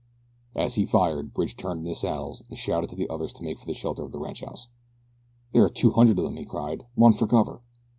As he fired Bridge turned in his saddle and shouted to the others to make for the shelter of the ranchhouse. "There are two hundred of them," he cried. "Run for cover!"